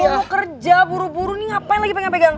mau kerja buru buru nih ngapain lagi pengen pegang